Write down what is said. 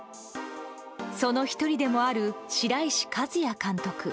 その１人でもある白石和彌監督。